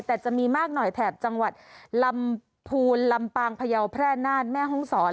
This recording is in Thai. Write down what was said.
แต่จะมีมากหน่อยแถบจังหวัดลำพูนลำปางพยาวแพร่นานแม่ห้องศร